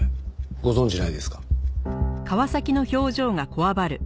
ご存じないですか？